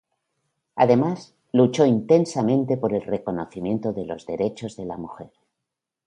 Además, luchó intensamente por el reconocimiento de los derechos de la mujer.